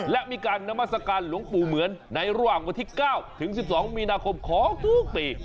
และมีการนามัศกาลหลวงปู่เหมือนในระหว่างวันที่๙ถึง๑๒มีนาคมของทุกปี